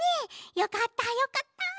よかったよかった！